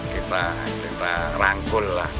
kita rangkul lah